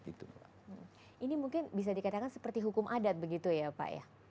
ini mungkin bisa dikatakan seperti hukum adat begitu ya pak ya